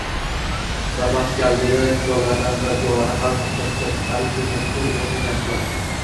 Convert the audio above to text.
Badbaxt kal, debdi kulollardan biri, piyolani hali ham tuzatmadingmi, tur o‘rningdan, tuzat